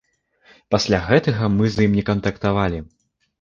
Пасля гэтага мы з ім не кантактавалі.